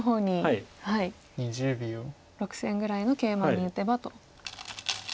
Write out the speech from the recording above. ６線ぐらいのケイマに打てばと。